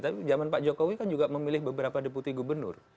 tapi zaman pak jokowi kan juga memilih beberapa deputi gubernur